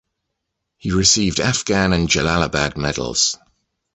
He received Afghan and Jalalabad medals.